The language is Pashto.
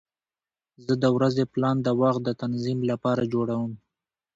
زه د ورځې پلان د وخت د تنظیم لپاره جوړوم.